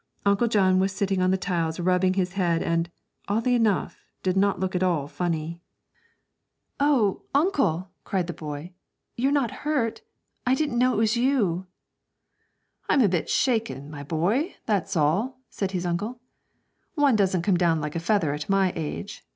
Uncle John was sitting on the tiles rubbing his head, and, oddly enough, did not look at all funny. 'Oh, uncle,' cried the boy, 'you're not hurt? I didn't know it was you!' 'I'm a bit shaken, my boy, that's all,' said his uncle; 'one doesn't come down like a feather at my age.'